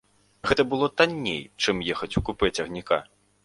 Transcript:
Гэта было танней, чым ехаць у купэ цягніка.